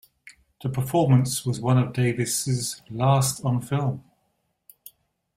The performance was one of Davis's last on film.